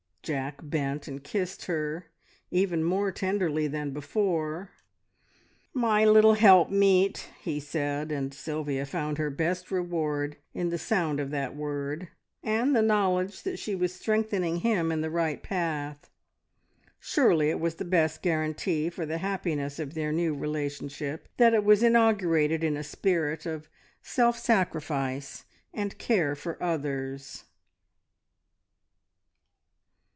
Jack bent and kissed her, even more tenderly than before. "My little helpmeet!" he said, and Sylvia found her best reward in the sound of that word, and the knowledge that she was strengthening him in the right path. Surely it was the best guarantee for the happiness of their new relationship, that it was inaugurated in a spirit of self sacrifice and care for others.